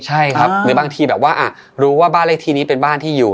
ใช่ครับหรือบางทีแบบว่ารู้ว่าบ้านเลขที่นี้เป็นบ้านที่อยู่